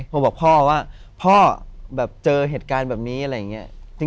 มันบอกพ่อว่าพ่อเจอเหตุการณ์อย่างนี้อย่างไรอย่างเงี้ย